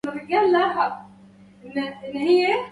سابق الناس هاشم ابن حديج